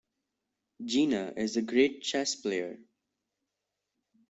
Gina is a great chess player.